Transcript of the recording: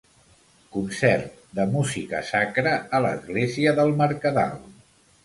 Concert de música sacra a l'església del Mercadal.